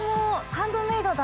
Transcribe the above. ハンドメイドだ。